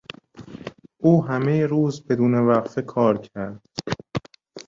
او همهی روز بدون وقفه کار کرد.